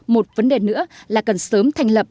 một vấn đề nữa là cần sớm thành lập